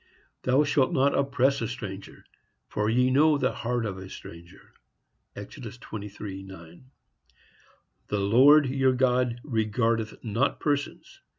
Thou shalt not oppress a stranger, for ye know the heart of a stranger.—Exodus 23:9. The Lord your God regardeth not persons.